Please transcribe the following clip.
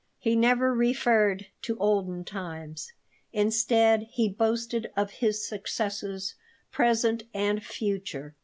He never referred to olden times. Instead, he boasted of his successes, present and future.